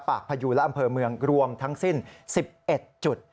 พยูนและอำเภอเมืองรวมทั้งสิ้น๑๑จุด